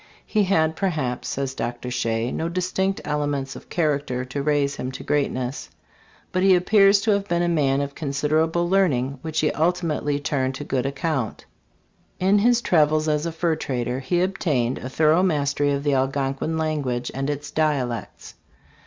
He had, perhaps, says Dr. Shea, no distinct elements of character to raise him to greatness ; but he appears to have been a man of considerable learning which he ultimately turned to good account. In his travels as a fur trader he obtained a thorough mastery of the Algonquin language and its dialects.